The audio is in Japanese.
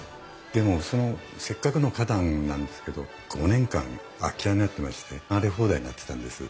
でもそのせっかくの花壇なんですけど５年間空き家になってまして荒れ放題になってたんです。